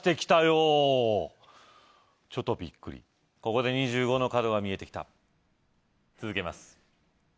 ちょっとびっくりここで２５の角が見えてきた続けます